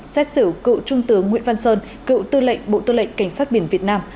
xét xử cựu trung tướng nguyễn văn sơn cựu tư lệnh bộ tư lệnh cảnh sát biển việt nam